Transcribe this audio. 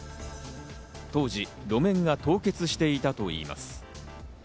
当時路面が凍結していたといいます。